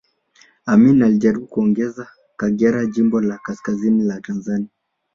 Amin alijaribu kuongezea Kagera jimbo la kaskazini la Tanzania